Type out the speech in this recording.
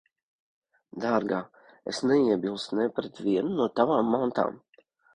Dārgā, es neiebilstu ne pret vienu no tavām mantām.